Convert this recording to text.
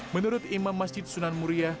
menurut imam masjid sunan muria